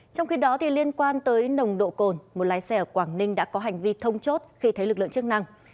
trong khi đó liên quan tới nồng độ cồn một lái xe ở quảng ninh đã có hành vi thông chốt khi thấy lực lượng chức năng